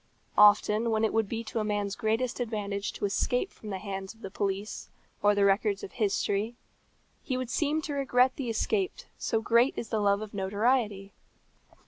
Often when it would be to a man's greatest advantage to escape from the hands of the police or the records of history, he would seem to regret the escape so great is the love of notoriety.